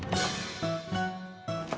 terusin aja sendiri